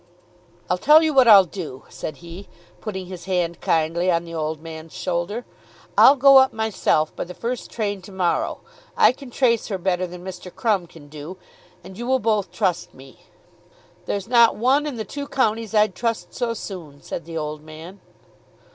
"I'll tell you what I'll do," said he, putting his hand kindly on the old man's shoulder. "I'll go up myself by the first train to morrow. I can trace her better than Mr. Crumb can do, and you will both trust me." "There's not one in the two counties I'd trust so soon," said the old man.